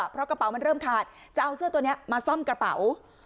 เพราะกระเป๋ามันเริ่มขาดจะเอาเสื้อตัวนี้มาซ่อมกระเป๋า